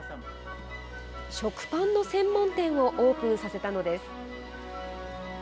食パンの専門店をオープンさせたのです。